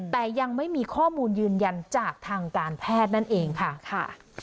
แต่ยังไม่มีข้อมูลยืนยันจากทางการแพทย์นั่นเองค่ะ